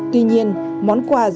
tuy nhiên món quà